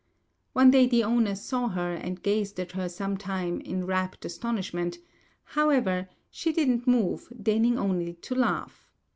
One day the owner saw her, and gazed at her some time in rapt astonishment; however, she didn't move, deigning only to laugh.